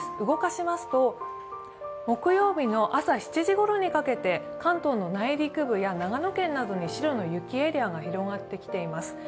動かしますと木曜日の朝７時ごろにかけて関東の内陸部や長野県などに白の雪エリアが広がってきています。